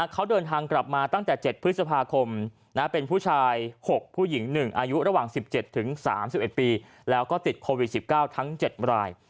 เขาเดินทางกลับมาตั้งแต่๗พฤษภาคมเป็นผู้ชาย๖ผู้หญิง๑อายุระหว่าง๑๗๓๑ปีแล้วก็ติดโควิด๑๙ทั้ง๗ราย